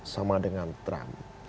sama dengan trump